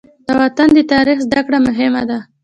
د وطن د تاریخ زده کړه مهمه ده.